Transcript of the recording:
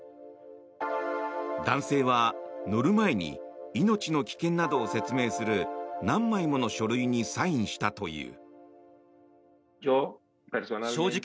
男性は乗る前に命の危険などを説明する何枚もの書類にサインしたという。